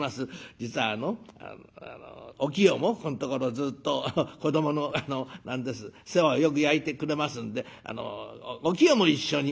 実はあのお清もここんところずっと子どもの何です世話をよく焼いてくれますんであのお清も一緒に」。